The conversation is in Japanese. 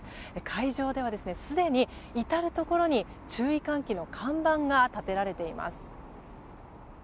会場ではすでに至るところに注意喚起の看板が立てられています。